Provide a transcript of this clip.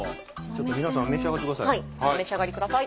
ちょっと皆さん召し上がってください。